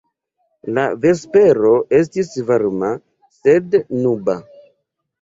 La vespero estis varma, sed nuba.